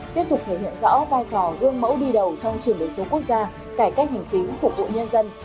tiếp tục thể hiện rõ vai trò gương mẫu đi đầu trong trường đối chống quốc gia cải cách hành chính phục vụ nhân dân